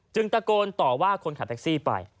ตะโกนต่อว่าคนขับแท็กซี่ไป